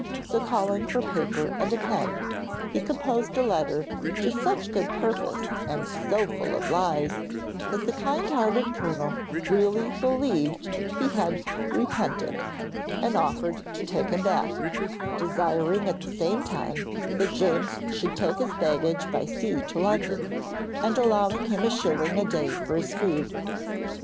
So calling for paper and a pen, he composed a letter to such good purpose and so full of lies, that the kindhearted Colonel really believed he had repented, and offered to take him back, desiring at the same time that James should take his baggage by sea to London, and allowing him a shilling a day for his food.